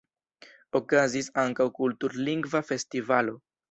Okazis ankaŭ kultur-lingva festivalo.